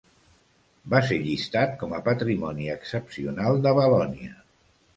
Va ser llistat com a Patrimoni excepcional de Valònia.